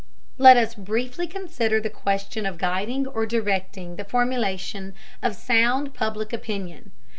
Let us briefly consider the question of guiding or directing the formulation of sound Public Opinion.